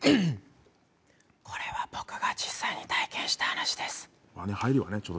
これは僕が実際に体験した話です。